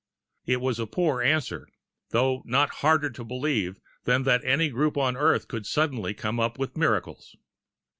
It was a poor answer, though no harder to believe than that any group on Earth could so suddenly come up with miracles.